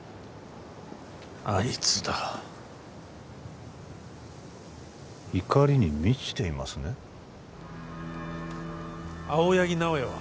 あいつだ怒りに満ちていますね青柳直哉は？